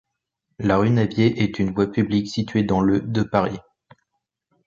La rue Navier est une voie publique située dans le de Paris.